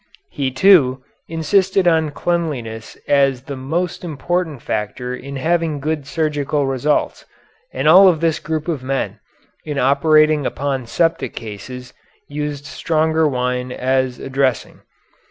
He, too, insisted on cleanliness as the most important factor in having good surgical results, and all of this group of men, in operating upon septic cases, used stronger wine as a dressing.